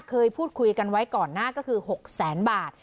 เคยพูดคุยกันไว้ก่อนหน้าก็คือ๖แสนบาท